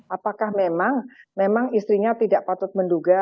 apakah memang istrinya tidak patut menduga